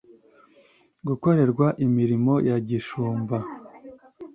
gukorerwa imirimo ya gishumba